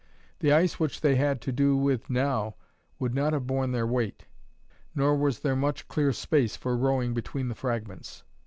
The ice which they had to do with now would not have borne their weight; nor was there much clear space for rowing between the fragments.